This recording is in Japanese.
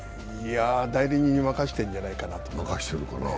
代理人に任せているんじゃないかなと。